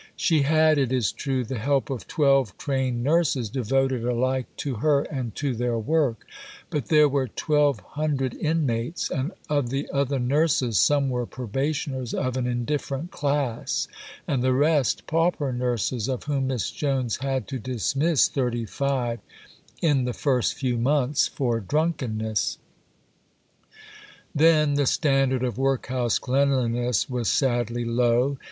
She had, it is true, the help of twelve trained nurses, devoted alike to her and to their work; but there were 1200 inmates, and of the other "nurses" some were probationers of an indifferent class, and the rest "pauper nurses," of whom Miss Jones had to dismiss 35 in the first few months for drunkenness. Then, the standard of workhouse cleanliness was sadly low.